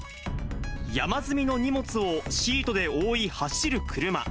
山積みの荷物をシートで覆い、走る車。